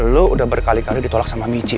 lu udah berkali kali ditolak sama michi